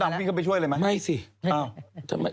นุ่นก็ดำไปช่วยเลยรึไมละ